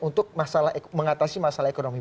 untuk mengatasi masalah ekonomi